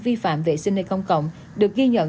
vi phạm vệ sinh nơi công cộng được ghi nhận